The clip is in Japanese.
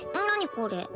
これ。